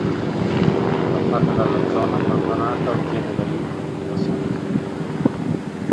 Scappata dalla zona abbandonata, ottiene l'aiuto di un passante.